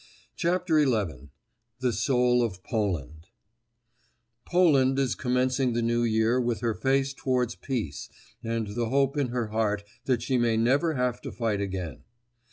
CHAPTER XI—THE SOUL OF POLAND Poland is commencing the New Year with her face towards peace and the hope in her heart that she may never have to fight again.